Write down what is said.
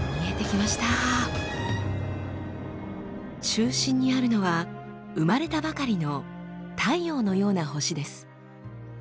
中心にあるのは生まれたばかりの太陽のような星です。